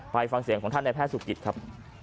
ฟังเสียงของท่านในแพทย์สุกิตครับ